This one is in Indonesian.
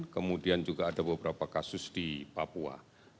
kemudian juga ada beberapa kasus di papua